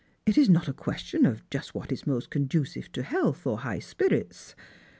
It is not a question of just what is most conducive to health or high spirits.